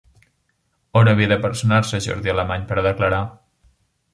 On havia de personar-se Jordi Alemany per a declarar?